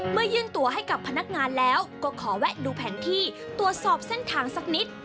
ยื่นตัวให้กับพนักงานแล้วก็ขอแวะดูแผนที่ตรวจสอบเส้นทางสักนิด